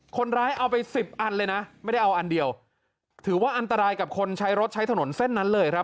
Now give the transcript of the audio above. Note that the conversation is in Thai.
คนร้ายเอาไปสิบอันเลยนะไม่ได้เอาอันเดียวถือว่าอันตรายกับคนใช้รถใช้ถนนเส้นนั้นเลยครับ